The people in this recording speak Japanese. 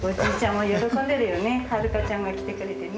はるかちゃんが来てくれてね。